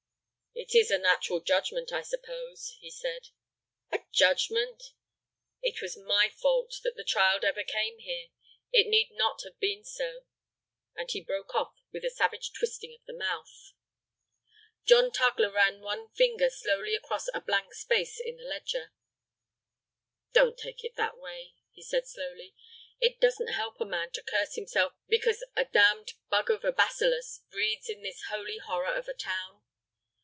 "It is a natural judgment, I suppose," he said. "A judgment?" "It was my fault that the child ever came here. It need not have been so—" and he broke off with a savage twisting of the mouth. John Tugler ran one finger slowly across a blank space in the ledger. "Don't take it that way," he said, slowly; "it doesn't help a man to curse himself because a damned bug of a bacillus breeds in this holy horror of a town.